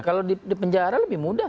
kalau di penjara lebih mudah